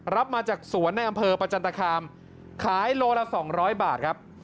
รับมาจากสวนในอำเภอประจันตคามขายโลละ๒๐๐บาทครับ